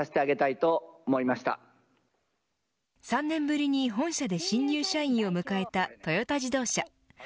３年ぶりに本社で新入社員を迎えたトヨタ自動車。